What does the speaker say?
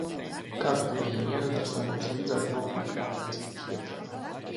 Kādu dienu viņa ieradās, lai mums līdzētu nokļūt jaunajā dzīves vietā.